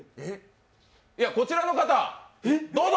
こちらの方、どうぞ。